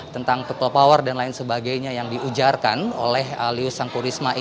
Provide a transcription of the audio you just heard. tentang kekelopawar dan lain sebagainya yang diujarkan oleh liu sangkurisma